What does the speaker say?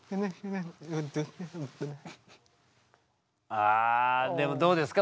ああでもどうですか？